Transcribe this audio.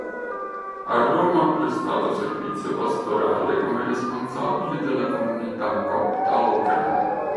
A Roma ha prestato servizio pastorale come responsabile della comunità copta locale.